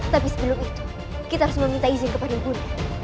tapi sebelum itu kita harus meminta izin kepada ibunya